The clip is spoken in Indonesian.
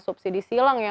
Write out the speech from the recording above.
subsidi silang ya